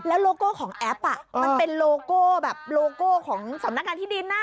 โลโก้ของแอปมันเป็นโลโก้แบบโลโก้ของสำนักงานที่ดินนะ